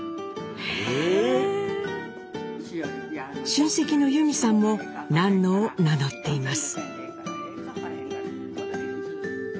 親戚の由美さんも「ナンノ」を名乗っています。